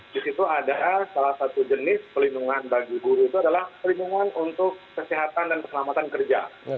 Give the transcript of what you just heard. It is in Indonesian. di situ ada salah satu jenis pelindungan bagi guru itu adalah pelindungan untuk kesehatan dan keselamatan kerja